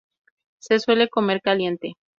Se suele comer caliente.